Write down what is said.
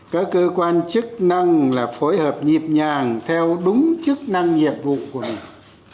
các cơ quan chức năng là phối hợp nhịp nhàng theo đúng chức năng nhiệm vụ của mình